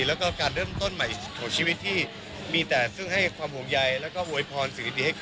แล้วก็การเริ่มต้นใหม่ของชีวิตที่มีแต่ซึ่งให้ความห่วงใยแล้วก็โวยพรสิ่งดีให้